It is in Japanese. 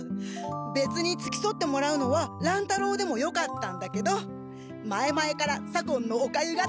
べつにつきそってもらうのは乱太郎でもよかったんだけど前々から左近のおかゆが食べたくて。